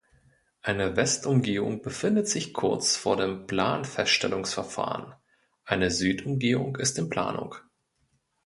Eine Westumgehung befindet sich kurz vor dem Planfeststellungsverfahren, eine Südumgehung ist in Planung.